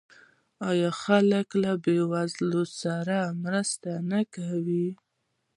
آیا خلک له بې وزلو سره مرسته نه کوي؟